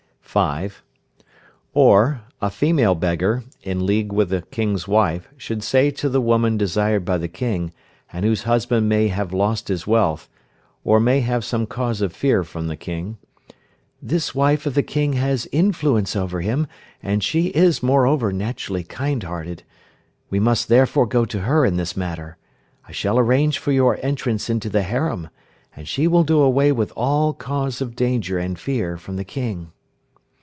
(5). Or, a female beggar, in league with the King's wife, should say to the woman desired by the King, and whose husband may have lost his wealth, or may have some cause of fear from the King: "This wife of the King has influence over him, and she is, moreover, naturally kind hearted, we must therefore go to her in this matter. I shall arrange for your entrance into the harem, and she will do away with all cause of danger and fear from the King."